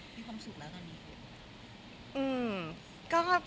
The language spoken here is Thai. มีความสุขแล้วตอนนี้